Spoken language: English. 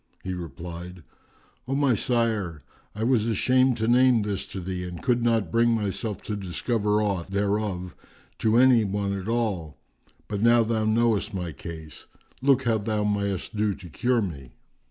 He replied, "O my sire, I was ashamed to name this to thee and could not bring myself to discover aught thereof to any one at all; but now thou knowest my case, look how thou mayest do to cure me."